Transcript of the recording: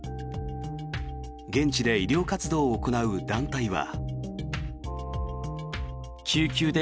現地で医療活動を行う団体は。